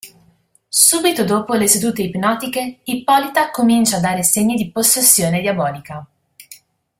Subito dopo le sedute ipnotiche, Ippolita comincia a dare segni di possessione diabolica.